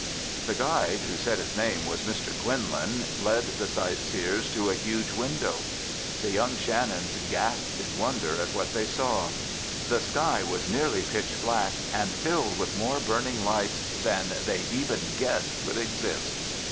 The guide, who said his name was Mr. Quinlan, led the sight seers to a huge window. The young Shannons gasped in wonder at what they saw. The sky was nearly pitch black and filled with more burning lights than they even guessed could exist.